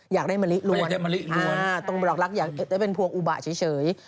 อยากได้มะลิลวงตรงดอกรักอยากได้เป็นพวงอุบะเฉย